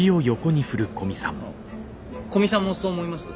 あっ古見さんもそう思います？